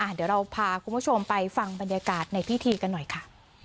เดี๋ยวเราพาคุณผู้ชมไปฟังบรรยากาศในพิธีกันหน่อยค่ะ